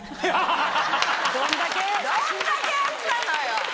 どんだけあったのよ。